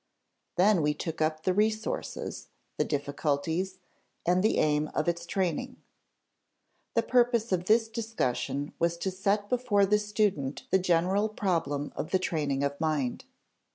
Then we took up the resources, the difficulties, and the aim of its training. The purpose of this discussion was to set before the student the general problem of the training of mind.